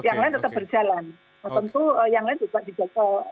tentu yang lain juga